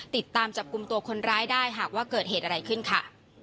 ติดตามจับกลุ่มตัวคนร้ายได้หากว่าเกิดเหตุอะไรขึ้นค่ะ